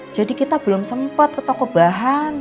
jadi kita belum sempet ke toko bahan